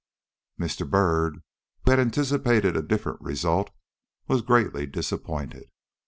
Mr. Byrd, who had anticipated a different result, was greatly disappointed.